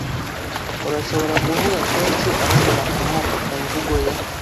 Urashobora kuvuga kenshi aho umuntu akomoka kumvugo ye.